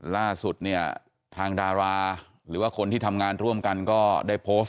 ล่าสุดเนี่ยทางดาราหรือว่าคนที่ทำงานร่วมกันก็ได้โพสต์